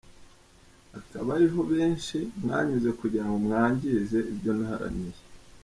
Akaba ariho benshi mwanyuze kugira ngo mwangize ibyo naharaniye.